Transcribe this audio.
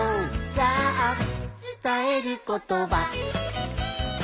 さあつたえることば」